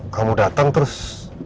kamu datang terus